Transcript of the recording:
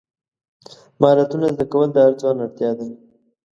مهارتونه زده کول د هر ځوان اړتیا ده.